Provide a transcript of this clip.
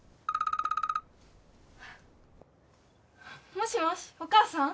もしもしお母さん？